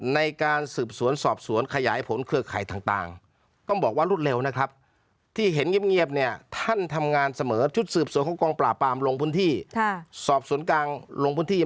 ในการสืบสวนสอบสวนขยายผลเครือข่ายต่างต้องบอกว่ารุ่นเร็วนะครับที่เห็นเงียบเนี่ยท่านทำงานเสมอชุดสืบสวนกองปราบลงพื้นที่